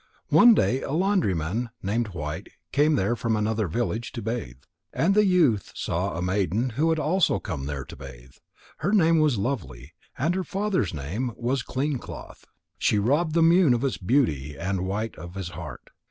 One day a laundryman named White came there from another village to bathe. And the youth saw a maiden who had also come there to bathe. Her name was Lovely, and her father's name was Clean cloth. She robbed the moon of its beauty and White of his heart.